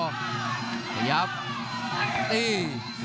พยายามตี